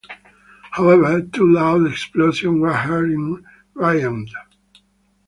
However two loud explosions were heard in Riyadh.